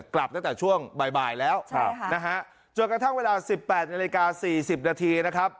กลับตั้งแต่ช่วงบ่ายแล้วนะฮะจนกระทั่งเวลา๑๘นาฬิกา๔๐นาทีนะครับ